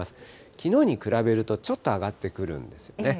きのうに比べるとちょっと上がってくるんですね。